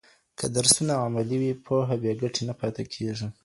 که درسونه عملي وي، پوهه بې ګټې نه پاته کېږي.